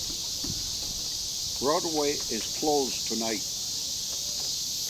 Broadway is closed tonight.